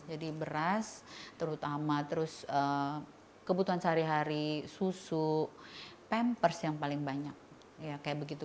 jadi beras terutama kebutuhan sehari hari susu pampers yang paling banyak